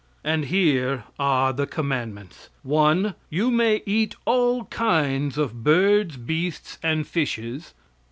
And here are the commandments: 1. You may eat all kinds of birds, beasts and fishes.